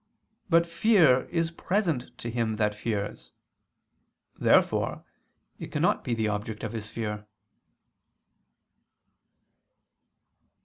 But fear is present to him that fears. Therefore it cannot be the object of his fear.